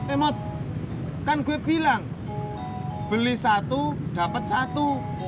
eh mot kan gue bilang beli satu dapet satu